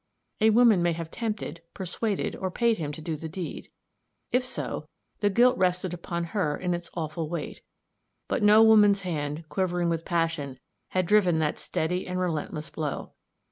A woman may have tempted, persuaded, or paid him to do the deed; if so, the guilt rested upon her in its awful weight; but no woman's hand, quivering with passion, had driven that steady and relentless blow.